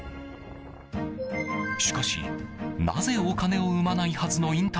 しかしなぜ、お金を生まないはずの引退